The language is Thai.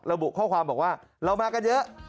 ระบุข้อความบอกว่าเรามากันเยอะ